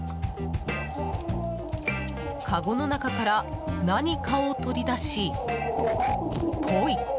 かごの中から何かを取り出しポイ！